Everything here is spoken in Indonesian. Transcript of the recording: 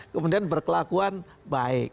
kemudian berkelakuan baik